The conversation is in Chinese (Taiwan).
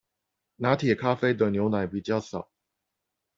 拿鐵咖啡的牛奶比較少